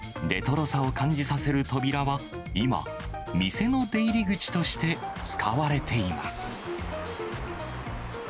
レトロさを感じさせる扉は今、店の出入り口として使われています。